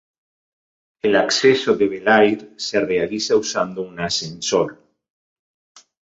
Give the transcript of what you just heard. El acceso de Bel-Air se realiza usando un ascensor.